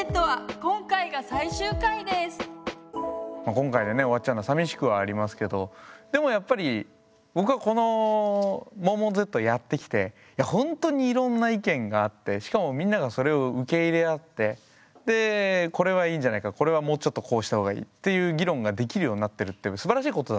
今回でね終わっちゃうのはさみしくはありますけどでもやっぱり僕はこの「モンモンＺ」やってきてほんとにいろんな意見があってしかもみんながそれを受け入れ合ってでこれはいいんじゃないかこれはもうちょっとこうしたほうがいいっていう議論ができるようになってるってすばらしいことだと思うんですよね。